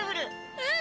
うん！